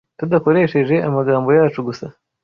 tudakoresheje amagambo yacu gusa